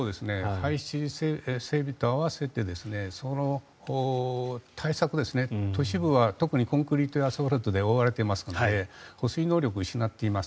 排水整備と併せてその対策、都市部は特にコンクリートやアスファルトで覆われていますので保水能力を失っています。